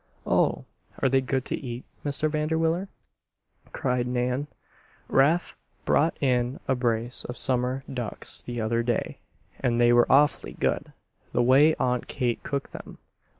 "Oh! Are they good to eat, Mr. Vanderwiller?" cried Nan. "Rafe brought in a brace of summer ducks the other day, and they were awfully good, the way Aunt Kate cooked them."